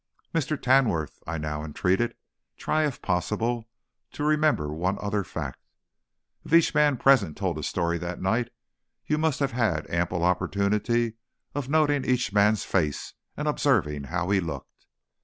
"Mr. Tamworth," I now entreated, "try, if possible, to remember one other fact. If each man present told a story that night, you must have had ample opportunity of noting each man's face and observing how he looked.